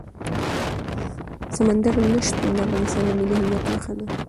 سمندر نه شتون د افغانستان د ملي هویت نښه ده.